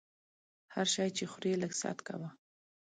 هر شی چې خورې لږ ست کوه!